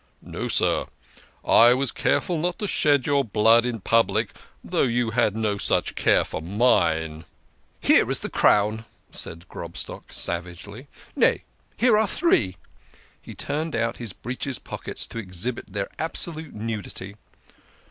No, sir, I was careful not to shed your blood in public, though you had no such care for mine." " Here is the crown !" said Grobstock savagely. " Nay, here are three !" He turned out his breeches pockets to exhibit their absolute nudity.